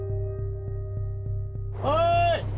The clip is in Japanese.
おい！